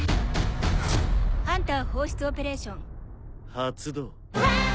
「ハンター放出オペレーション」「発動」